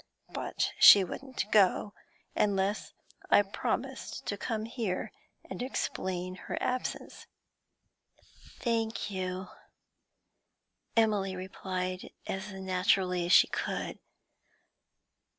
But she wouldn't go unless I promised to come here and explain her absence.' 'Thank you,' Emily replied, as naturally as she could.